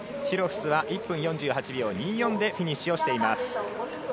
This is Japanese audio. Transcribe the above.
シロフスは１分４８秒２４でフィニッシュをしています。